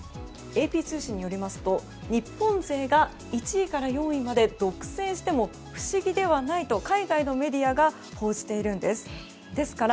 ＡＰ通信によりますと日本勢が１位から４位まで独占しても不思議ではないと海外メディアが報じているんです。